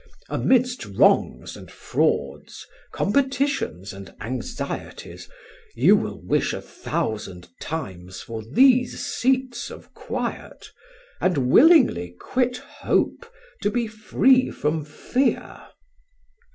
Amidst wrongs and frauds, competitions and anxieties, you will wish a thousand times for these seats of quiet, and willingly quit hope to be free from fear."